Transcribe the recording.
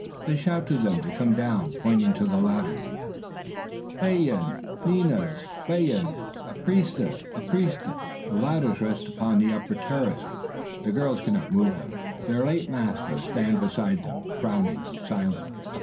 They shout to them to come down, pointing to the ladders. "Bajan, ninas, bajan! aprisa, aprisa!" (Come down, dear girls! quickly, quickly!) The ladders rest upon the upper terraces. The girls cannot move them. Their late masters stand beside them, frowning and silent.